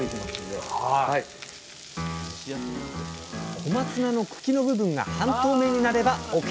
小松菜の茎の部分が半透明になればＯＫ！